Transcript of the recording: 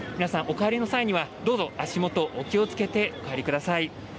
お帰りの際には、どうぞ足元にお気をつけください。